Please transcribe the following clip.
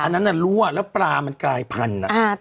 อันนั้นน่ะรั่วแล้วปลามันกลายพันธุ์